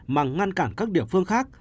mà ngăn cản các địa phương khác